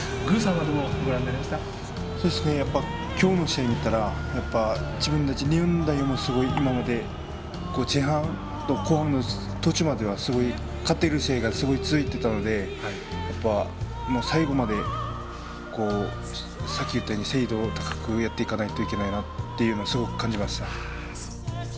今日の試合を見たら自分たち日本代表も今まで前半と後半の途中までは勝ってる試合がすごい続いてたのでやっぱり、最後まで精度高くやっていかないといけないなとすごく感じました。